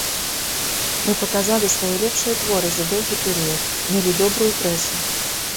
Мы паказалі свае лепшыя творы за доўгі перыяд, мелі добрую прэсу.